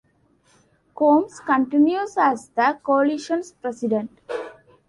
Combs continues as the Coalition's president.